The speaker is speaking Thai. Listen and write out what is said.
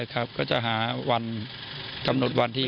ใช่ครับก็จะหากำหนดวันที่